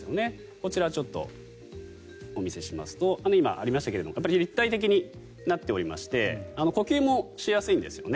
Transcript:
こちら、お見せしますと今、ありましたけれどもやっぱり立体的になっておりまして呼吸もしやすいんですよね。